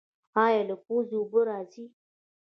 ایا له پوزې اوبه راځي؟